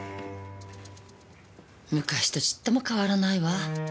昔とちっとも変わらないわ。